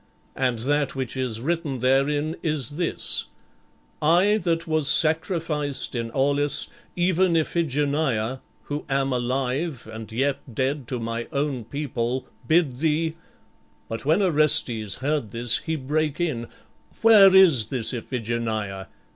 And that which is written therein is this: '_I that was sacrificed in Aulis, even Iphigenia, who am alive and yet dead to my own people, bid thee _'" But when Orestes heard this, he brake in, "Where is this Iphigenia?